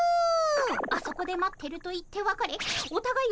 「あそこで待ってる」と言ってわかれおたがい